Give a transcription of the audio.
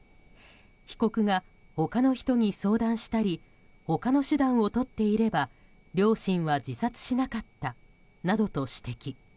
被告が他の人に相談したり他の手段をとっていれば両親は自殺しなかったなどと指摘。